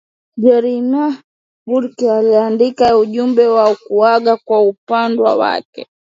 jeremiah burke aliandika ujumbe wa kuaga kwa wapendwa wake